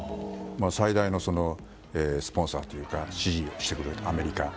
最大のスポンサーというか支持してくれるのはアメリカ。